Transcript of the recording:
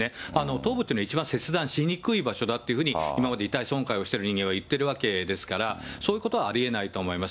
頭部というのは一番切断しにくい場所だというふうに、今まで遺体損壊をしている人間は言ってるわけですから、そういうことはありえないと思います。